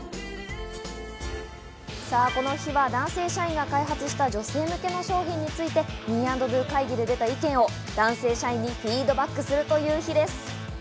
この日は男性社員が開発した女性向けの商品についてｍｅ＆ｄｏ会議で出た意見を男性社員にフィードバックするという日です。